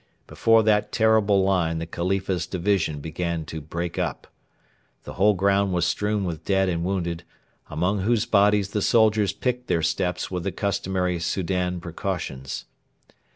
Before that terrible line the Khalifa's division began to break up. The whole ground was strewn with dead and wounded, among whose bodies the soldiers picked their steps with the customary Soudan precautions.